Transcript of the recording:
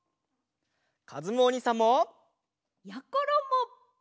かずむおにいさんも！やころも！